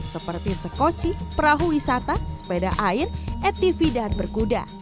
seperti sekoci perahu wisata sepeda air etv dan berkuda